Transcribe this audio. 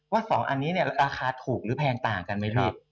๒อันนี้เนี่ยราคาถูกหรือแพงต่างกันไหมพี่